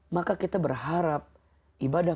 maka kita berharap ibadah